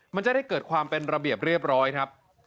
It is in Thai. มันจะได้เกิดความเป็นระเบียบเรียบร้อยครับ